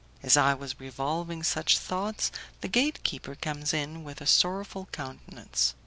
As I was revolving such thoughts, the gate keeper comes in with a sorrowful countenance.